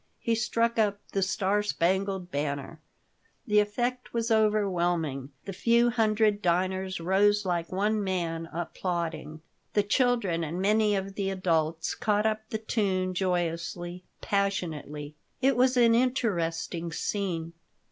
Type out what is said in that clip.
He struck up the "Star spangled Banner The effect was overwhelming. The few hundred diners rose like one man, applauding. The children and many of the adults caught up the tune joyously, passionately. It was an interesting scene.